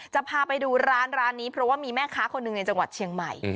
จะพาไปดูร้านร้านนี้เพราะว่ามีแม่ค้าคนหนึ่งในจังหวัดเชียงใหม่